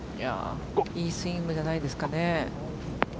いいスイングじゃないですかね。